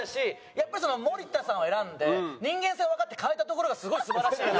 やっぱり森田さんを選んで人間性をわかって変えたところがすごい素晴らしいなって。